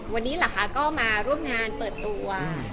วันนี้เหรอคะก็มาร่วมงานเปิดตัว